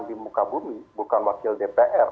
di muka bumi bukan wakil dpr